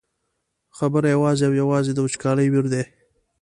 خبره یوازې او یوازې د وچکالۍ ویر دی.